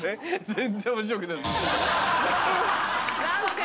全然面白くない。